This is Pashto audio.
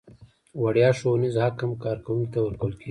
وړیا ښوونیز حق هم کارکوونکي ته ورکول کیږي.